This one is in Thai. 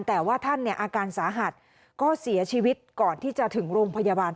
แต่ว่าท่านเนี่ยอาการสาหัสก็เสียชีวิตก่อนที่จะถึงโรงพยาบาล